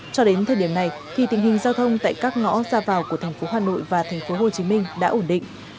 cho đến thời điểm này khi tình hình giao thông tại các ngõ ra vào của tp hcm và tp hcm đã ổn định